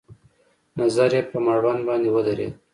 نظر يې په مړوند باندې ودرېد.